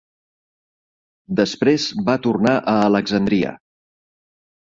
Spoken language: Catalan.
Després va tornar a Alexandria.